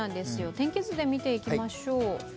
天気図で見ていきましよう。